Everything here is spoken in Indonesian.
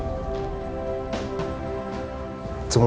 tapi dia gak mau mendengarkan saya pak